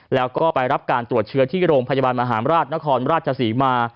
แล้วก็ไปรับการตรวจเชื้อที่โรงพยาบาลมหาราชนครราชศรีมา